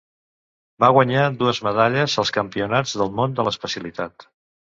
Va guanyar dues medalles als Campionats del món de l'especialitat.